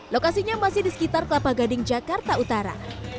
lokasinya masih di sekitar kelapa gading jakarta utara